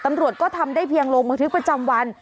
ตำรวจก็ทำได้เพียงลงบันทึกประจำวัน